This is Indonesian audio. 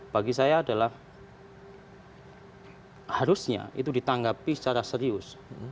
bagi saya adalah harusnya itu ditanggapi secara serius